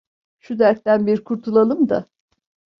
Şu dertten bir kurtulalım da…